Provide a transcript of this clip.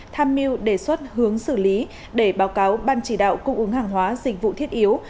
tham mưu đề xuất hướng xử lý để báo cáo ban chỉ đạo cung ứng hàng hóa dịch vụ thiết yếu